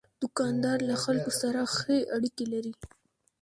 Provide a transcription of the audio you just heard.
دوکاندار له خلکو سره ښې اړیکې لري.